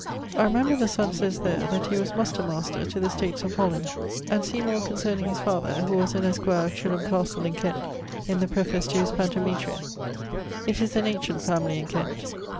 I remember the sonne sayes there that he was muster master to the States of Holland: and see more concerning his father (who was an esquire of Chilham Castle in Kent) in the preface to his Pantometria. It is an ancient family in Kent.